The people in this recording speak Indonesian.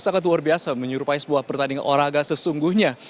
sangat luar biasa menyerupai sebuah pertandingan olahraga sesungguhnya